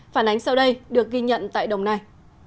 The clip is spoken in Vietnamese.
phản ánh sau đây được ghi nhận tại đồng nai